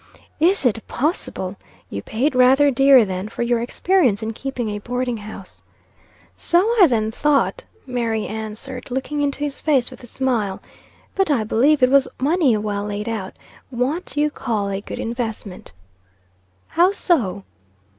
"Is it possible! You paid rather dear, then, for your experience in keeping a boarding house." "So I then thought," Mary answered, looking into his face with a smile, "But I believe it was money well laid out. What you call a good investment." "How so?"